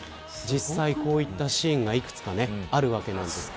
実際、こういったシーンがいくつかあるわけです。